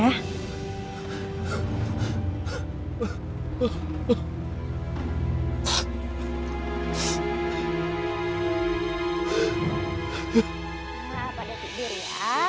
nah pada tidur ya